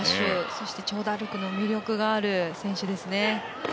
そして長打力の魅力がある選手ですね。